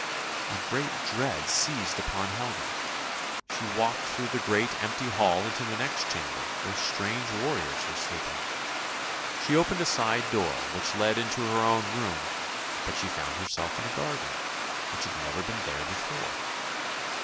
A great dread seized upon Helga; she walked through the great empty hall into the next chamber where strange warriors were sleeping. She opened a side door which led into her own room, but she found herself in a garden, which had never been there before.